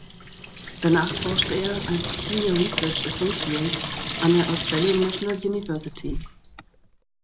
Danach forschte er als Senior Research Associate an der Australian National University.